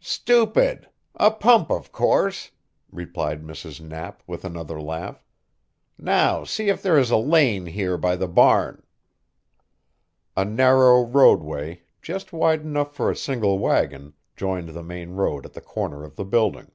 "Stupid! a pump, of course," replied Mrs. Knapp with another laugh. "Now see if there is a lane here by the barn." A narrow roadway, just wide enough for a single wagon, joined the main road at the corner of the building.